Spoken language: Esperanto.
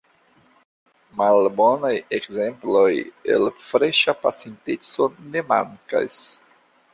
Malbonaj ekzemploj el freŝa pasinteco ne mankas.